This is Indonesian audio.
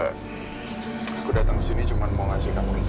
aku datang kesini cuma mau ngasih kamu ini